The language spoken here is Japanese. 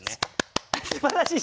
すばらしい。